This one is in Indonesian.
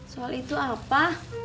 soal itu apa